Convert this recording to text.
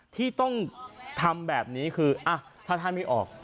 ที่ต้องทำแบบนี้คือถ้าท่านไม่ออก